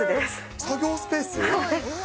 作業スペース？